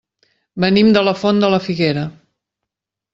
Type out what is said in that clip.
Venim de la Font de la Figuera.